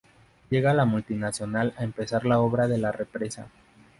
Llega la multinacional a empezar la obra de la represa.